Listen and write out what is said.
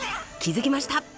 気づきました。